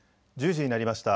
１０時になりました。